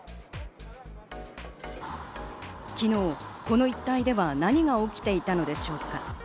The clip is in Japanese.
昨日、この一帯では何が起きていたのでしょうか。